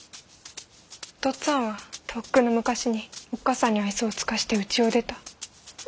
お父っつぁんはとっくの昔におっ母さんに愛想を尽かしてうちを出た。